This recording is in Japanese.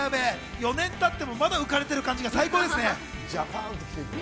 ４年が経っても、まだ浮かれている感じですね。